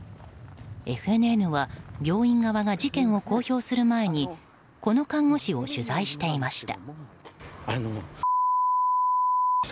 ＦＮＮは病院側が事件を公表する前にこの看護師を取材していました。